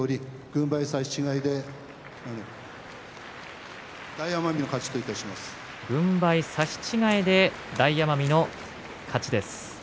軍配差し違えで大奄美の勝ちです。